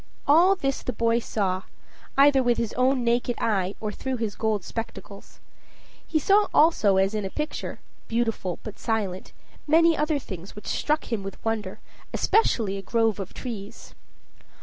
All this the boy saw, either with his own naked eye or through his gold spectacles. He saw also as in a picture, beautiful but silent, many other things which struck him with wonder, especially a grove of trees.